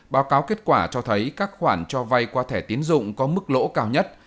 báo cáo kết quả cho thấy các khoản cho vay qua thẻ tiến dụng có mức lỗ cao nhất